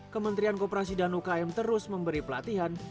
kementrian koperasi dan ukm terus memberi pelatihan